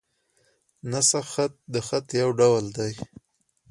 نسخ خط؛ د خط یو ډول دﺉ.